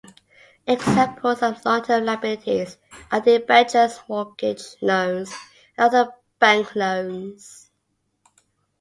Examples of long-term liabilities are debentures, mortgage loans and other bank loans.